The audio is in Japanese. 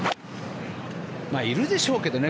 いるでしょうけどね。